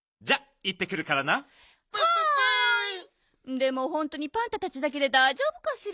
でもほんとにパンタたちだけでだいじょうぶかしら？